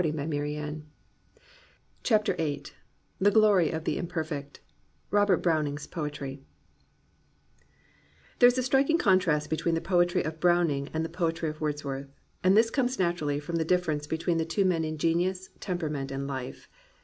231 THE GLORY OF THE IMPERFECT THE GLORY OF THE IMPERFECT" ROBERT browning's POETRY There is a striking contrast between the poetry of Browning and the poetry of Wordsworth; and this comes naturally from the difference between the two men in genius, temperament and life.